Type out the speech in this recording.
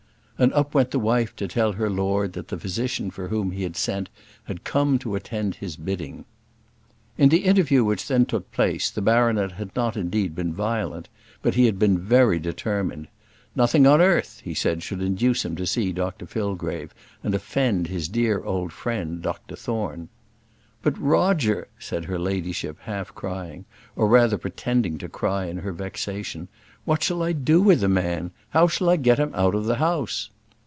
And up went the wife to tell her lord that the physician for whom he had sent had come to attend his bidding. In the interview which then took place the baronet had not indeed been violent, but he had been very determined. Nothing on earth, he said, should induce him to see Dr Fillgrave and offend his dear old friend Dr Thorne. "But Roger," said her ladyship, half crying, or rather pretending to cry in her vexation, "what shall I do with the man? How shall I get him out of the house?"